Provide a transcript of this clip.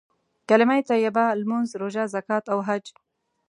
کليمه طيبه، لمونځ، روژه، زکات او حج.